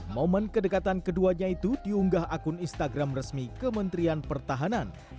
momen kedekatan keduanya itu diunggah akun instagram resmi kementerian pertahanan